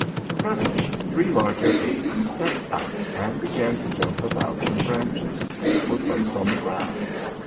Presently three larger apes stepped out and began to jump about some branches that were placed on the ground.